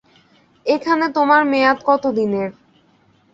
এখানে তোমার মেয়াদ কতদিনের?